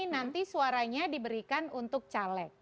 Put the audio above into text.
nanti suaranya diberikan untuk caleg